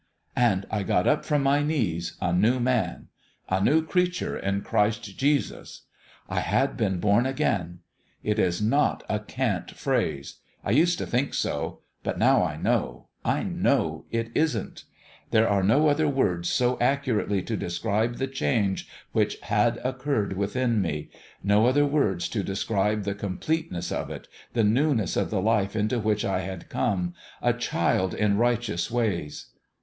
..." And I got up from my knees a new man 4 A new creature in Christ Jesus.' I had been * born again/ It is not a cant phrase ; I used to think so ; but now I know I know it isn't. There are no other words so accurately to de scribe the change which had occurred within me no other words to describe the completeness IN HIS OWN BEHALF 345 of it, the newness of the life into which I had come, a child in righteous ways.